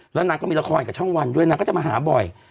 แล้วนางก็มีละครกับช่องวันด้วยนางก็จะมาหาบ่อย